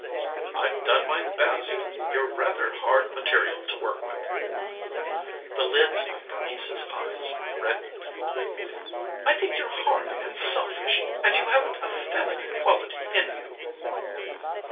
"I've done my best. You're rather hard material to work with." The lids of Bernice's eyes reddened. "I think you're hard and selfish, and you haven't a feminine quality in you."